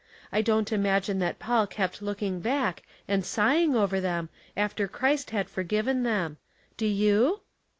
I don't imagine that Paul kept looking back and sighing over them after Christ had forgiven them. Do you?"